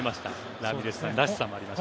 ラミレスさんらしさもありました。